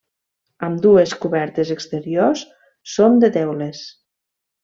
Amb dues cobertes exteriors són de teules.